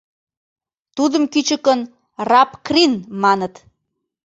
Тудым кӱчыкын «рабкрин» маныт.